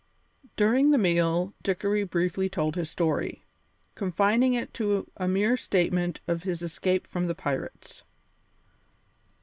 During the meal Dickory briefly told his story, confining it to a mere statement of his escape from the pirates.